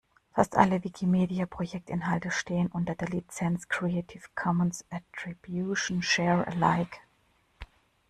Fast alle Wikimedia-Projektinhalte stehen unter der Lizenz "Creative Commons Attribution Share Alike".